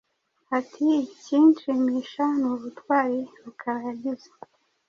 Ati“ Ikinshimisha ni ubutwari Rukara yagize